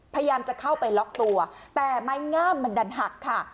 พยายามจะเข้าไปล็อกตัวแต่ไม้งามมันดันหักค่ะ